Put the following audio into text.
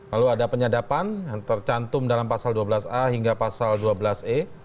lalu ada penyadapan yang tercantum dalam pasal dua belas a hingga pasal dua belas e